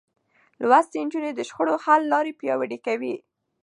لوستې نجونې د شخړو حل لارې پياوړې کوي.